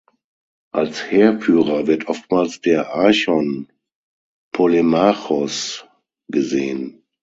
Als Heerführer wird oftmals der Archon polemarchos gesehen.